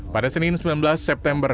pada senin sembilan belas september